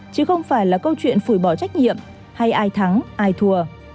chứ không phải là câu chuyện phủi bỏ trách nhiệm hay ai thắng ai thua